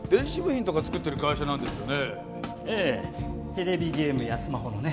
テレビゲームやスマホのね。